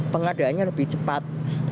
pengadaannya lebih cepat